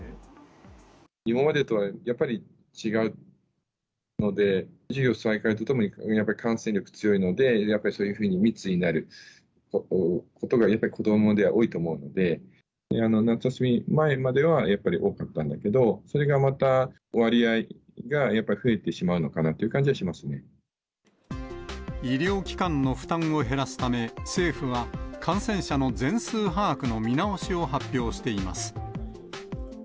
今までとはやっぱり違うので、授業再開とともに、やっぱり感染力強いので、やっぱりそういうふうに密になることが、やっぱり子どもでは多いと思うので、夏休み前まではやっぱり多かったんだけど、それがまた割合がやっぱり増えてしまうのかなっていう感じはしま医療機関の負担を減らすため、政府は、感染者の全数把握の見直しを発表しています。